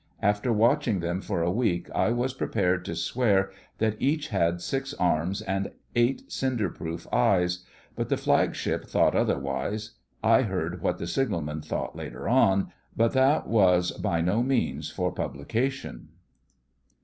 After watching them for a week I was prepared to swear that each had six arms and eight cinder proof eyes; but the Flagship thought otherwise. I heard what the signalmen thought later on; but that was by no means for publication.